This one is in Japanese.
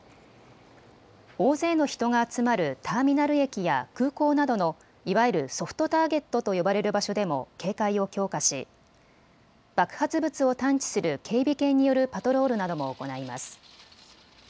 大勢の人が集まるターミナル駅や空港などのいわゆるソフトターゲットと呼ばれる場所でも警戒を強化し爆発物を探知する警備犬によるパトロールなども行います。